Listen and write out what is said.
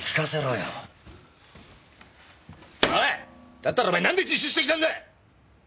だったらお前なんで自首してきたんだ！？